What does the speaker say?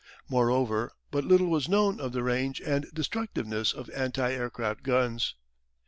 Moreover, but little was known of the range and destructiveness of anti aircraft guns.